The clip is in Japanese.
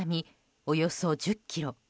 およそ１０ｋｍ。